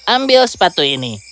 ambil sepatu ini